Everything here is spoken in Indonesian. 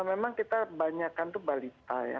memang kita banyakan itu balita ya